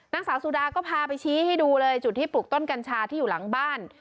นางสาวสุดาก็พาไปชี้ให้ดูเลยจุดที่ปลูกต้นกัญชาที่อยู่หลังบ้าน